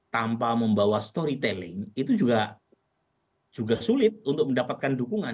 tanpa membawa storytelling itu juga sulit untuk mendapatkan dukungan